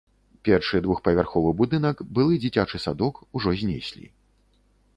Першы двухпавярховы будынак, былы дзіцячы садок, ужо знеслі.